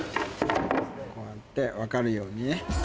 こうやって分かるようにね。